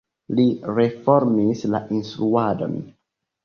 Li reformis la instruadon.